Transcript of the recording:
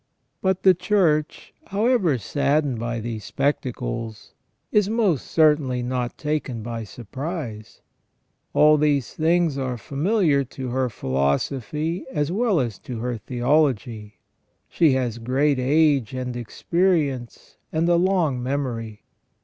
But the Church, however saddened by these spectacles, is most certainly not taken by surprise. All these things are familiar to her philosophy as well as to her theology, ^he has great age and experience, and a long memory.